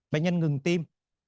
bệnh nhân ngừng tim